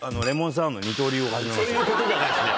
そういうことじゃないですね